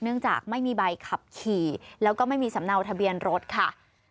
จากไม่มีใบขับขี่แล้วก็ไม่มีสำเนาทะเบียนรถค่ะ